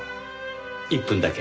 １分だけ。